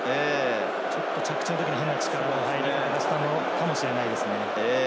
ちょっと着地のときに変な力が入ったのかもしれないですね。